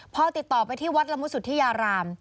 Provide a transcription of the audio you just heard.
พอติดต่อไปที่วัดละมุสุธิยาราม